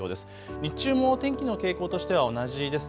日中も天気の傾向としては同じです。